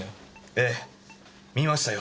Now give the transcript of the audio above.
ええ見ましたよ。